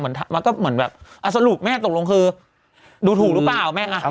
มันก็เหมือนแบบสรุปแม่ตกลงคือดูถูกหรือเปล่าแม่อ่ะ